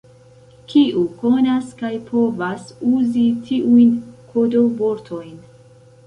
Kiu konas kaj povas uzi tiujn kodo-vortojn?